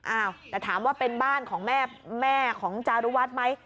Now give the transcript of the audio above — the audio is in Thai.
อ้าวแต่ถามว่าเป็นบ้านของแม่ของจารุวัฒน์ไหม